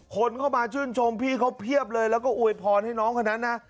คนเข้ามาชื่นชมพี่เขาเพียบเลยแล้วก็อวยพรให้น้องคนนั้นนะ